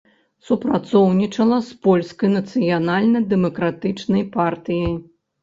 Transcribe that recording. Супрацоўнічала з польскай нацыянальна-дэмакратычнай партыяй.